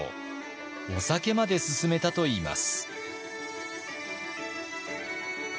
お酒まで勧めたといいます。